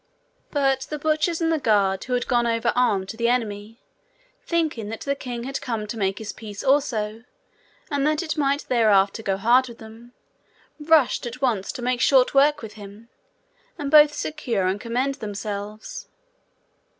But the butchers and the guard, who had gone over armed to the enemy, thinking that the king had come to make his peace also, and that it might thereafter go hard with them, rushed at once to make short work with him, and both secure and commend themselves.